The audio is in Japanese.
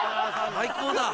最高だ。